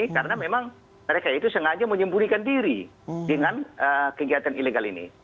karena memang mereka itu sengaja menyembunyikan diri dengan kegiatan ilegal ini